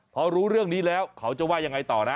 พอรู้เรื่องนี้แล้วเขาจะว่ายังไงต่อนะ